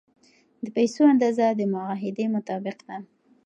د پیسو اندازه د معاهدې مطابق ده.